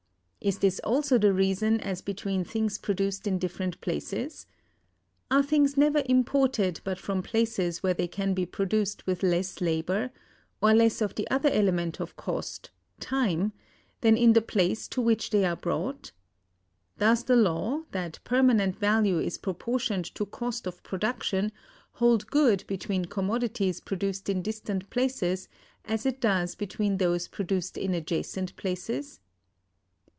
Is this also the reason as between things produced in different places? Are things never imported but from places where they can be produced with less labor (or less of the other element of cost, time) than in the place to which they are brought? Does the law, that permanent value is proportioned to cost of production, hold good between commodities produced in distant places, as it does between those produced in adjacent places?